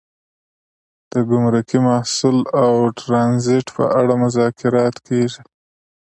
د ګمرکي محصول او ټرانزیټ په اړه مذاکرات کیږي